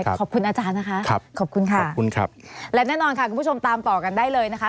ขอบคุณอาจารย์นะคะขอบคุณค่ะและแน่นอนค่ะคุณผู้ชมตามต่อกันได้เลยนะคะ